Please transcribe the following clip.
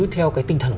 theo cái tinh thần